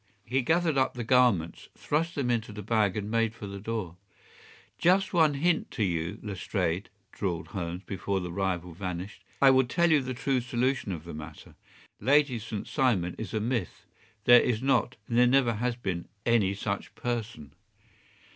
” He gathered up the garments, thrust them into the bag, and made for the door. “Just one hint to you, Lestrade,” drawled Holmes, before his rival vanished; “I will tell you the true solution of the matter. Lady St. Simon is a myth. There is not, and there never has been, any such person.